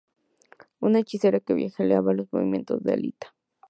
Una hechicera que vigila los movimientos de Alita.